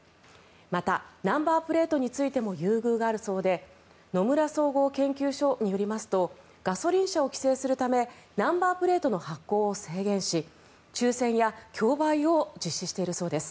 またナンバープレートについても優遇があるそうで野村総合研究所によりますとガソリン車を規制するためナンバープレートの発行を制限し抽選や競売を実施しているそうです。